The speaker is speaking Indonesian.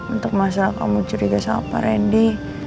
untuk masalah kamu curiga sama pak randy